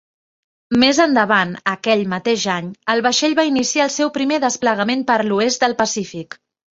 Més endavant, aquell mateix any, el vaixell va iniciar el seu primer desplegament per l'oest del Pacífic.